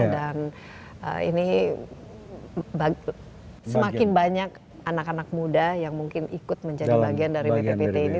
dan ini semakin banyak anak anak muda yang mungkin ikut menjadi bagian dari bppt ini